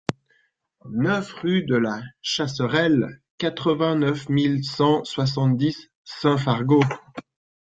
neuf rue de la Chasserelle, quatre-vingt-neuf mille cent soixante-dix Saint-Fargeau